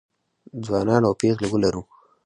ځوانان او پېغلې ولرو